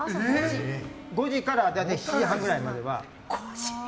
５時から７時半ぐらいまでは。